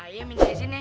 ayah minta izin nih